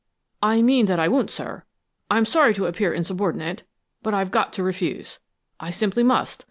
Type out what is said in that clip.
"I mean that I won't, sir. I'm sorry to appear insubordinate, but I've got to refuse I simply must.